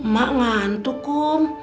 mak ngantuk kum